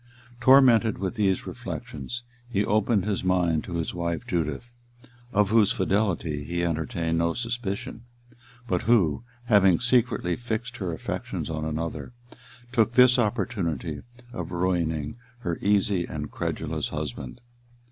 Tormented with these reflections, he opened his mind to his wife Judith, of whose fidelity he entertained no suspicion, but who, having secretly fixed her affections on another, took this opportunity of ruining her easy and credulous husband.